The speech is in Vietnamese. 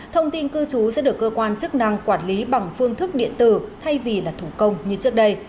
thông tin cư trú sẽ được cơ quan chức năng quản lý bằng phương thức điện tử thay vì là thủ công như trước đây